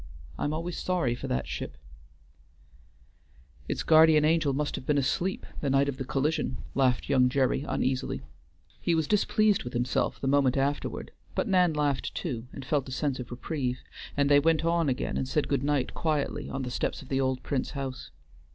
I am always sorry for that ship" "Its guardian angel must have been asleep the night of the collision," laughed young Gerry, uneasily; he was displeased with himself the moment afterward, but Nan laughed too, and felt a sense of reprieve; and they went on again and said good night quietly on the steps of the old Prince house.